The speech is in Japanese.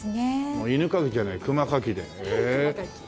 もう犬かきじゃない熊かきで熊かき。